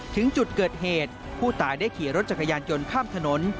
ถึงจุดเกิดเหตุผู้ตายได้ขี่รถจักรยานยนต์ข้ามถนน